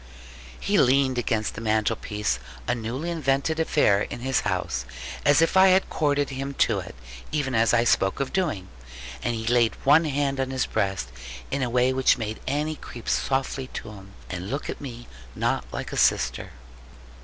He leaned against the mantelpiece (a newly invented affair in his house) as if I had corded him to it, even as I spoke of doing. And he laid one hand on his breast in a way which made Annie creep softly to him, and look at me not like a sister.